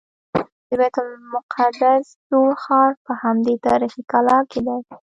د بیت المقدس زوړ ښار په همدې تاریخي کلا کې دی.